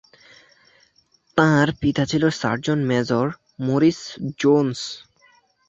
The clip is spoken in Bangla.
তাঁর পিতা ছিলেন সার্জন মেজর মরিস জোন্স।